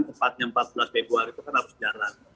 tepatnya empat belas februari itu kan harus jalan